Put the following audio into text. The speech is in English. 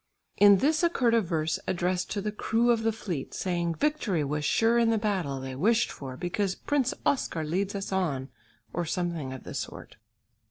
In this occurred a verse addressed to the crew of the fleet, saying victory was sure in the battle they wished for "because Prince Oscar leads us on," or something of the sort.